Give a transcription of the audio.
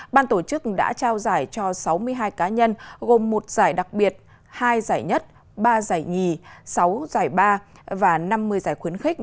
ban tổ chức đã trao giải cho sáu mươi hai cá nhân gồm một giải đặc biệt hai giải nhất ba giải nhì sáu giải ba và năm mươi giải khuyến khích